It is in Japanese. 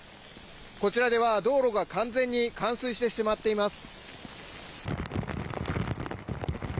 こちらでは道路が完全に冠水してしまっています。